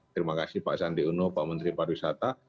terima kasih pak sandi uno pak menteri pariwisata